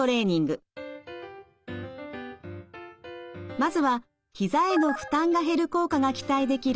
まずはひざへの負担が減る効果が期待できる